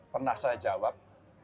pernah saya jawab